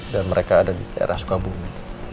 dan mereka ada di daerah sukabumi